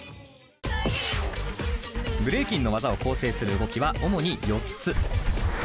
ブレイキンの技を構成する動きは主に４つ。